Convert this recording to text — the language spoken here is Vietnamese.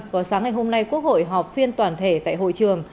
vào sáng ngày hôm nay quốc hội họp phiên toàn thể tại hội trường